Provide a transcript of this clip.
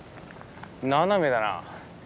斜めだな。